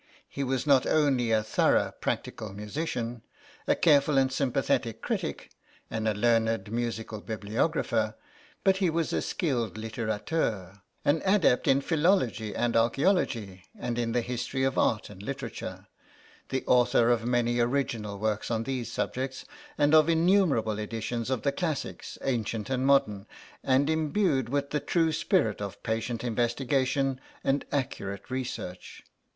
He was not only a thorough practical musician, a careful and sympathetic critic, and a learned musical bibliographer, but he was a skilled littérateur; an adept in philology and archaeology and in the history of art and literature; the author of many original works on these subjects, and of innumerable editions of the classics, ancient and modern; and imbued with the true spirit of patient investigation and accurate research.